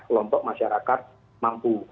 kelompok masyarakat mampu